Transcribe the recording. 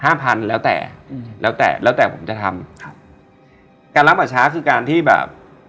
พันแล้วแต่อืมแล้วแต่แล้วแต่ผมจะทำครับการรับป่าช้าคือการที่แบบ